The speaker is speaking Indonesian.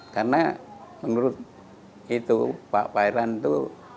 karena menurut itu pak pairan itu